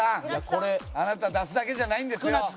これあなた出すだけじゃないんですよ。